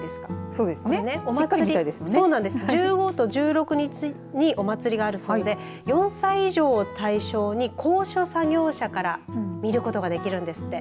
これね、お祭り１５と１６日にお祭りがあるそうで４歳以上を対象に高所作業車から見ることができるんですって。